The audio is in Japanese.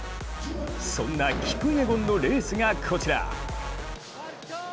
そんなキプイエゴンのレースがこちら。